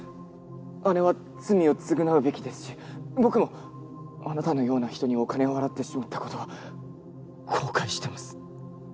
姉は罪を償うべきですし僕もあなたのような人にお金を払ってしまったことを後悔してます